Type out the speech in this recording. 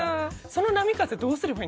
その波風、どうすれば？